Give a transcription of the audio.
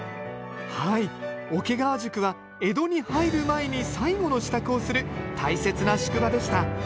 はい桶川宿は江戸に入る前に最後の支度をする大切な宿場でした。